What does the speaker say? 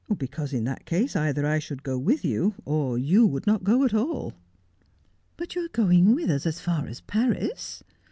' Because in that case either I should go with you, or you would not go at all.' ' But you are going with us as far as Paris.'